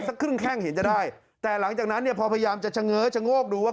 สักครึ่งแข้งเห็นจะได้แต่หลังจากนั้นเนี่ยพอพยายามจะเฉง้อชะโงกดูว่า